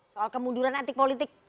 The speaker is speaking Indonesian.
soal kemuduran antik politik